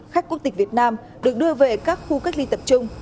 khách quốc tịch việt nam được đưa về các khu cách ly tập trung